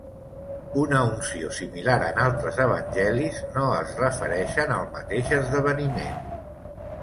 Una unció similar en altres evangelis no es refereixen al mateix esdeveniment.